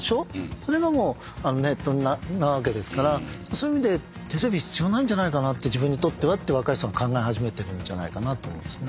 それがネットなわけですからそういう意味でテレビ必要ないんじゃないかなって若い人は考え始めてるんじゃないかなと思うんですよね。